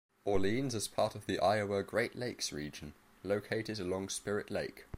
Orleans is part of the Iowa Great Lakes region, located along Spirit Lake.